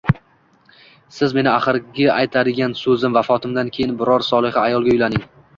Sizga meni oxirgi aytadigan so`zim, vafotimdan keyin biror soliha ayolga uylaning